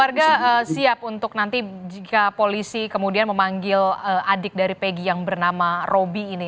apakah nama robi bisa dianggap untuk nanti jika polisi kemudian memanggil adik dari pegi yang bernama robi ini